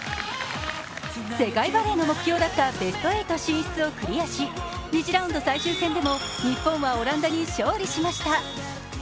世界バレーの目標だったベスト８進出をクリアし２次ラウンド最終戦でも日本はオランダに勝利しました。